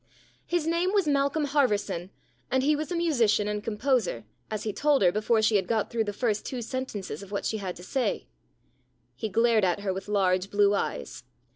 His name was Malcolm Harverson, and he was a musician and composer, as he told her before she had got through the first two sentences of what she had to say. He glared at her with large, blue eyes.